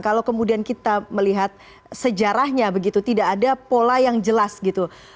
kalau kemudian kita melihat sejarahnya begitu tidak ada pola yang jelas gitu